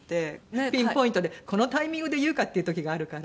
ピンポイントでこのタイミングで言うか？っていう時があるから。